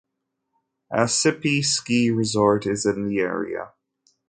Asessippi Ski Resort is in the area.